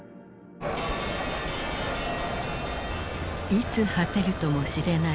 いつ果てるともしれない